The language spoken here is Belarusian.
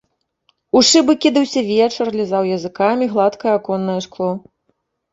У шыбы кідаўся вечар, лізаў языкамі гладкае аконнае шкло.